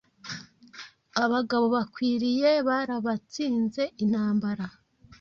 Abagabo bakwiriye barabatsinze Intambara